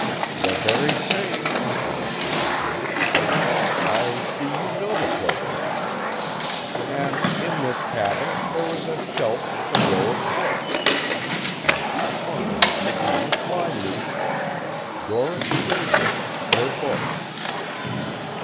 "The very same," Hollister continued. "I see you know the place. And in this cabin there was a shelf with a row of books, and each one had written on the flyleaf, 'Doris Cleveland Her Book.'"